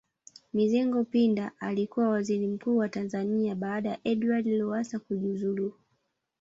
Mizengo Pinda alikuwa Waziri Mkuu wa Tanzania baada ya Edward Lowassa kujuzulu